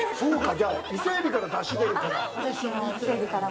じゃあ、伊勢海老から出汁が出るから。